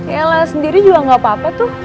ella sendiri juga gak apa apa tuh